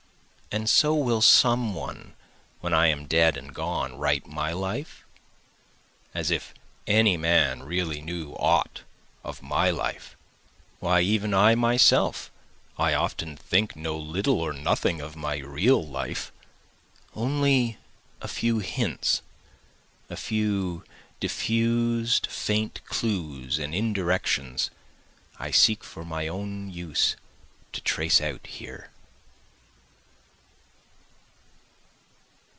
And so will some one when I am dead and gone write my life? (As if any man really knew aught of my life, Why even I myself I often think know little or nothing of my real life, Only a few hints, a few diffused faint clews and indirections I seek for my own use to trace out here.)